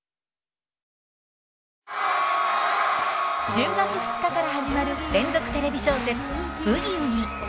１０月２日から始まる連続テレビ小説「ブギウギ」。